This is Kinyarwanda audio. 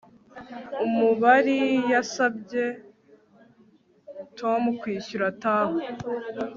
Umubari yasabye Tom kwishyura tab